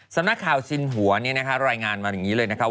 สำนักข่าวสินหัวนี่นะครับรายงานมาอย่างนี้เลยนะครับ